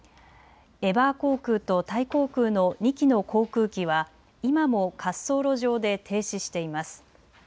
エバー航空とタイ航空の２機の航空機は今も滑走路上で停止しています。